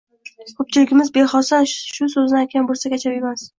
ko‘pchiligimiz bexosdan shu so‘zni aytgan bo‘lsak ajab emas.